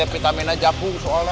biar kita menajamu soalnya